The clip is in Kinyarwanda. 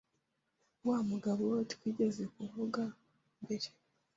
Wa mugabo twigeze kuvuga mbere,